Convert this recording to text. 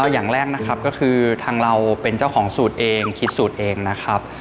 อย่างแรกนะครับก็คือทางเราเป็นเจ้าของสูตรเองคิดสูตรเองนะครับ